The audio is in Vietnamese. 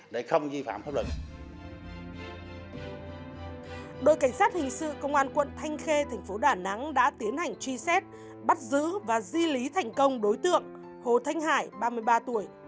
đội cảnh sát hình sự công an quận thanh khê thành phố đà nẵng đã tiến hành truy xét bắt giữ và di lý thành công đối tượng hồ thanh hải ba mươi ba tuổi